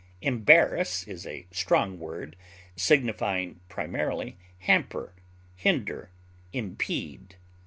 Embarrass is a strong word, signifying primarily hamper, hinder, impede.